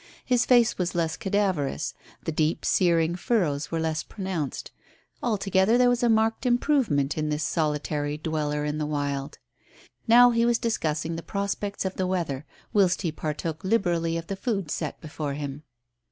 His face was less cadaverous; the deep searing furrows were less pronounced. Altogether there was a marked improvement in this solitary dweller in the wild. Now he was discussing the prospects of the weather, whilst he partook liberally of the food set before him.